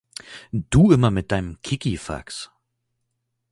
Du immer mit deinem Kikifax!